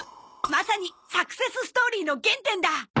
まさにサクセスストーリーの原点だ！